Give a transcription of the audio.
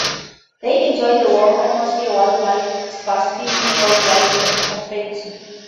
They enjoy the warm atmosphere while basking in gold light and confetti.